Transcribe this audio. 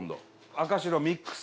赤白ミックス。